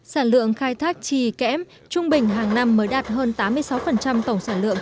sản lượng khai thác trì kém trung bình hàng năm mới đạt hơn tám mươi sáu tổng sản lượng